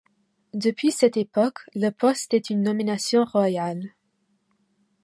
Depuis cette époque, le poste est une nomination royale.